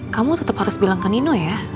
kamu tetap harus bilang ke nino ya